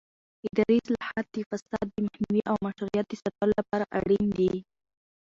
اداري اصلاحات د فساد د مخنیوي او مشروعیت د ساتلو لپاره اړین دي